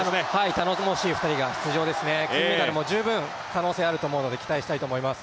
頼もしい２人が出場ですね、金メダルも十分可能性あると思うので期待したいと思います。